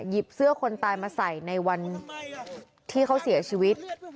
เสื้อคนตายมาใส่ในวันที่เขาเสียชีวิต